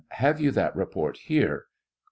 Have you that report here ? A.